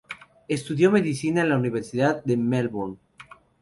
Estudió medicina en la Universidad de Melbourne.